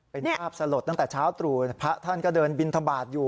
เป็นภาพสลดตั้งแต่เช้าตรู่พระท่านก็เดินบินทบาทอยู่